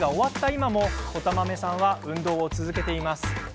今もこたまめさんは運動を続けています。